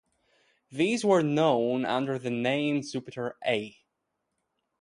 These were known under the name Jupiter-A.